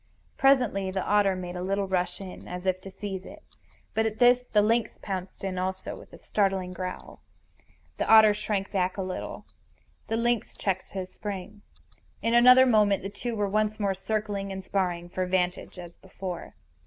Presently the otter made a little rush in, as if to seize it. But at this the lynx pounced in also, with a startling growl. The otter shrank back a little. The lynx checked his spring. In another moment the two were once more circling and sparring for vantage as before.